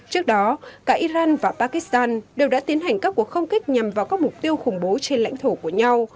trước đó cả iran và pakistan đều đã tiến hành các cuộc không kích nhằm vào các mục tiêu khủng bố trên lãnh thổ của nhau